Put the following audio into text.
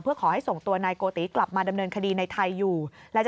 เพื่อขอให้ส่งตัวนายโกติกลับมาดำเนินคดีในไทยอยู่